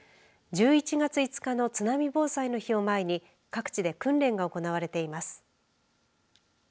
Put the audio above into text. １１月５日の津波防災の日を前に各地で訓練が行われています。